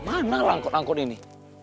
mana rangkut rangkut ini